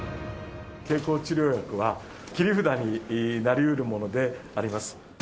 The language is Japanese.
経口治療薬は切り札になりうるものであります。